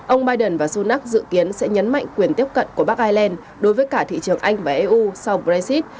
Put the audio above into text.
ông biden và sunak dự kiến sẽ nhấn mạnh quyền tiếp cận của bắc ireland đối với cả thị trường anh và eu sau brexit